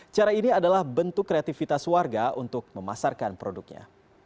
cara ini adalah bentuk kreativitas warga untuk memasarkan produknya